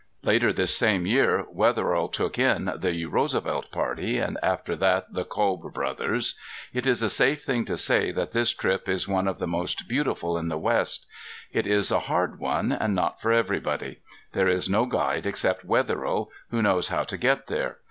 Later this same year Wetherill took in the Roosevelt party and after that the Kolb brothers. It is a safe thing to say that this trip is one of the most beautiful in the West. It is a hard one and not for everybody. There is no guide except Wetherill, who knows how to get there.